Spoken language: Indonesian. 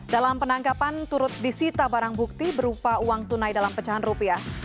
dalam penangkapan turut disita barang bukti berupa uang tunai dalam pecahan rupiah